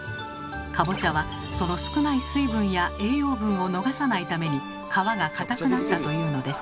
かぼちゃはその少ない水分や栄養分を逃さないために皮が硬くなったというのです。